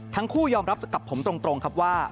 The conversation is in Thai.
ทั้งคู่ยอมรับกับผมตรงครับว่า